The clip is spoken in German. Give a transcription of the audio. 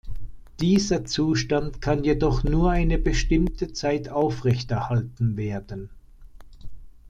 Dieser Zustand kann jedoch nur eine bestimmte Zeit aufrechterhalten werden.